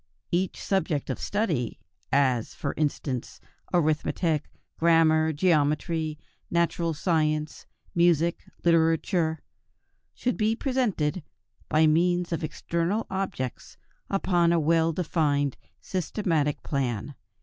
Each subject of study, as, for instance, arithmetic, grammar, geometry, natural science, music, literature, should be presented by means of external objects upon a well defined systematic plan.